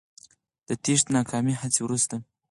د تېښتې ناکامې هڅې وروسته